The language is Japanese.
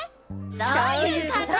そいうこと！